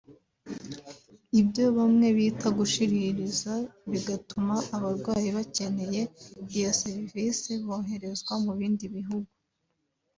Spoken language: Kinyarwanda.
ibyo bamwe bita gushiririza) bigatuma abarwayi bakeneye iyo servisi boherezwa mu bindi bihugu